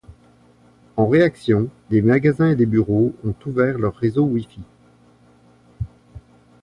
En réaction, des magasins et des bureaux ont ouvert leurs réseaux Wi-Fi.